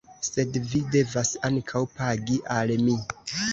Sed vi devas ankaŭ pagi al mi!